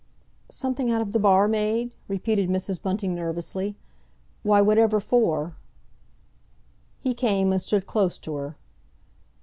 "Something out of the barmaid?" repeated Mrs. Bunting nervously. "Why, whatever for?" He came and stood close to her.